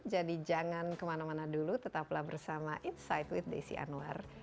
jadi jangan kemana mana dulu tetaplah bersama insight with desi anwar